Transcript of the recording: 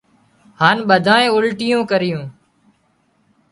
هانَ ٻڌانئي اُلٽيون ڪريون